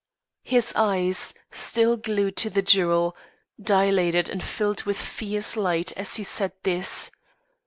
His eyes, still glued to the jewel, dilated and filled with fierce light as he said this.